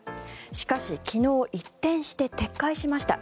しかし昨日一転して撤回しました。